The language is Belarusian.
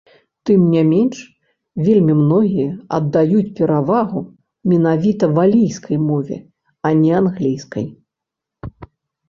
Тым не менш, вельмі многія аддаюць перавагу менавіта валійскай мове, а не англійскай.